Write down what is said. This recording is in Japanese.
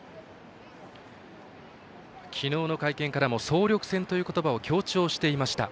昨日の会見からも総力戦という言葉を強調していました。